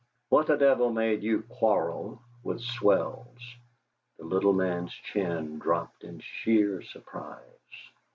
What the devil made you quarrel with Swells?" The little man's chin dropped in sheer surprise.